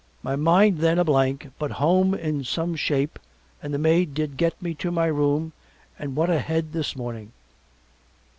My mind then a blank but home in some shape and the maid did get me to my room and what a head this morning!